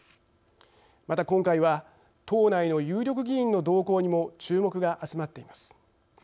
また、今回は党内の有力議員の動向にも注目が集まっています。